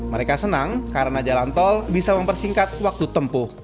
mereka senang karena jalan tol bisa mempersingkat waktu tempuh